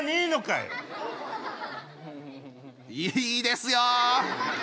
いいですよ。